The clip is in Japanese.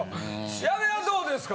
やべはどうですか？